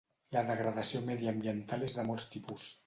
La degradació mediambiental és de molts tipus.